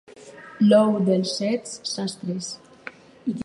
L'ou dels set sastres.